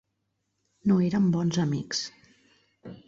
No érem bons amics.